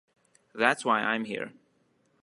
That's why I am here.